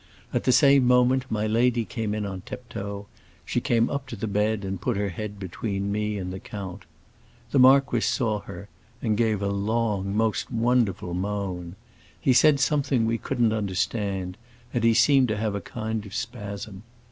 At the same moment my lady came in on tiptoe; she came up to the bed and put in her head between me and the count. The marquis saw her and gave a long, most wonderful moan. He said something we couldn't understand, and he seemed to have a kind of spasm.